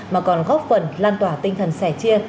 mà còn góp phần lan tỏa tinh thần sẻ chia